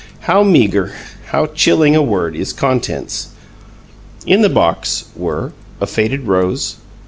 (How meager, how chilling a word is "contents"!) In the box were: A faded rose.